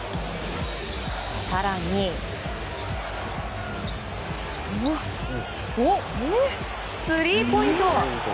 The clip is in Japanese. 更に、スリーポイント！